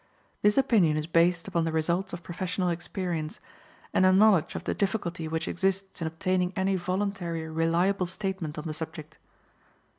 This opinion is based upon the results of professional experience, and a knowledge of the difficulty which exists in obtaining any voluntary reliable statement on the subject.